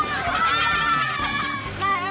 idenya sih sederhana